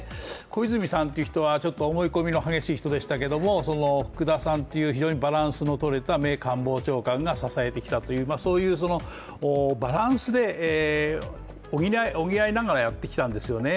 小泉さんという人はちょっと思い込みの激しい人でしたけども福田さんという、非常にバランスのとれた名官房長官が支えてきたというそういうバランスで補い合いながらやってきたんですね。